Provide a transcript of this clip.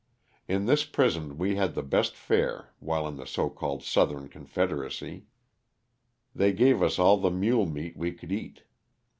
In this prison we had the best fare while in the so called Southern cjnfederacy. They gave us all the mule meat we could eat.